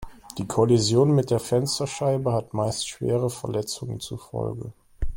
Die Kollision mit der Fensterscheibe hat meist schwere Verletzungen zur Folge.